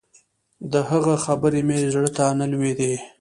د هغه خبرې مې زړه ته نه لوېدې.